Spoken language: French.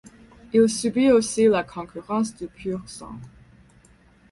Il subit aussi la concurrence du Pur-sang.